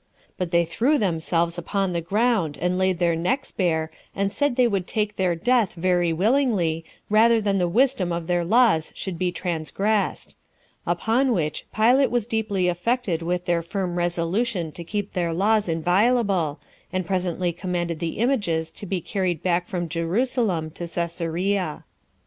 But they threw themselves upon the ground, and laid their necks bare, and said they would take their death very willingly, rather than the wisdom of their laws should be transgressed; upon which Pilate was deeply affected with their firm resolution to keep their laws inviolable, and presently commanded the images to be carried back from Jerusalem to Cæsarea.